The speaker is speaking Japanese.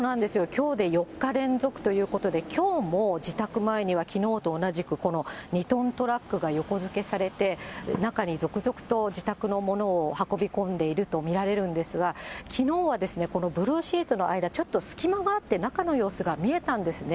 きょうで４日連続ということで、きょうも自宅前には、きのうと同じく、この２トントラックが横付けされて、中に続々と自宅のものを運び込んでいると見られるんですが、きのうはこのブルーシートの間、ちょっと隙間があって、中の様子が見えたんですね。